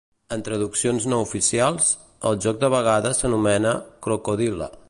En traduccions no oficials, el joc de vegades s'anomena "Crocodile".